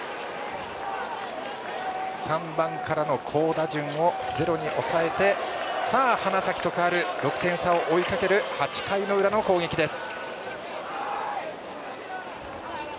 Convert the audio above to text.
３番からの好打順を０に抑えて、花咲徳栄６点差を追いかける８回の裏の攻撃です。